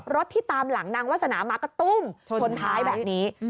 ที่ตามหลังนางวาสนามาก็ตุ้มชนท้ายแบบนี้